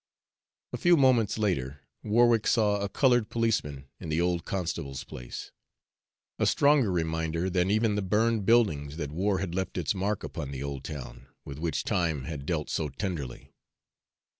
A few moments later, Warwick saw a colored policeman in the old constable's place a stronger reminder than even the burned buildings that war had left its mark upon the old town, with which Time had dealt so tenderly.